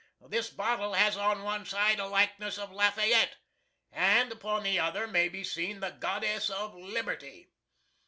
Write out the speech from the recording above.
This bottle has on one side a likeness of Lafayette, and upon the other may be seen the Goddess of Liberty.